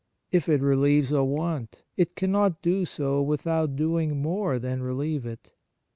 If it relieves a want, it cannot do so without doing more than relieve it.